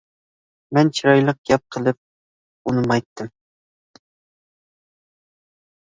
مەن چىرايلىق گەپ قىلىپ ئۇنىمايتتىم.